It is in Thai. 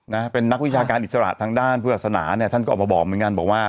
นะเป็นนักวิชาการอิสระทางด้านเพื่อศาสนาเนี่ยท่านก็ออกมาบอกเหมือนกันบอกว่า